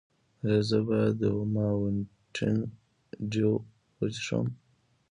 ایا زه باید ماونټین ډیو وڅښم؟